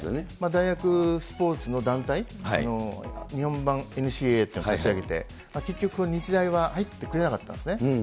大学スポーツの団体、日本版ＮＣＡというのを立ち上げて、結局、日大は入ってくれなかったんですね。